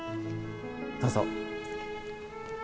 どうぞ。